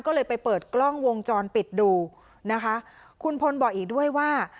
ก็เลยไปเปิดกล้องวงจรปิดดูนะคะคุณพลบอกอีกด้วยว่า